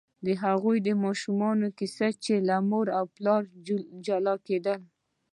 د هغو ماشومانو کیسه چې له مور او پلار جلا کېدل.